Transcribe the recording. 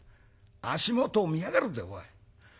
足元を見やがるぜおい。